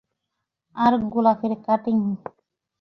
আর গোলাপের কাটিং?